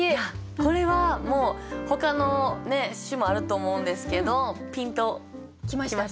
これはもうほかの首もあると思うんですけどピンと来ました。